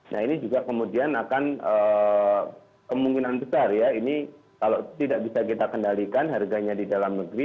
nah ini juga kemudian akan kemungkinan besar ya ini kalau tidak bisa kita kendalikan harganya di dalam negeri